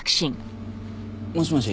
もしもし。